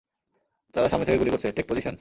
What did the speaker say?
তারা সামনে থেকে গুলি করছে - টেক পজিশন!